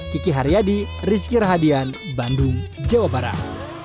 kiki haryadi rizky rahadian bandung jawa barat